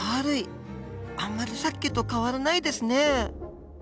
あんまりさっきと変わらないですね。